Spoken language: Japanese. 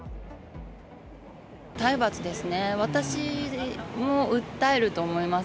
体罰ですね、私も訴えると思います。